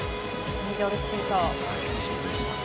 ミドルシュート。